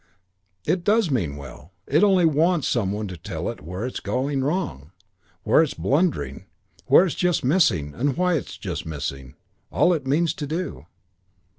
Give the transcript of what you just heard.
It does mean well. It only wants some one to tell it where it's going wrong, where it's blundering, where it's just missing, and why it's just missing, all it means to do.'